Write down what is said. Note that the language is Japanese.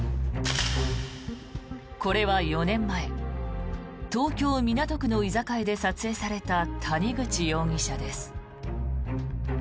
これは４年前東京・港区の居酒屋で撮影された谷口容疑者です。